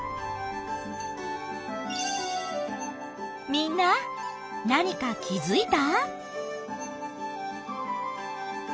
みんな何か気づいた？